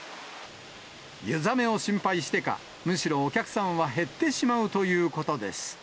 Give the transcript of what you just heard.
湯冷めを心配してか、むしろお客さんは減ってしまうということです。